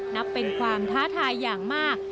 นับเป็นความท้าทายอย่างมาก